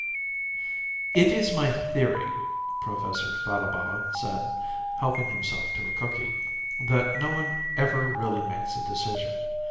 "It is my theory," Professor Falabella said, helping himself to a cookie, "that no one ever really makes a decision.